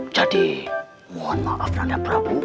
jadi mohon maaf nanda prabu